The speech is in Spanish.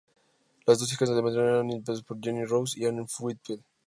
Las dos hijas del matrimonio eran interpretadas por Jeanine Roos y Anne Whitfield.